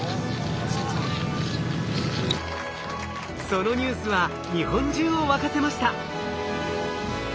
そのニュースは日本中を沸かせました。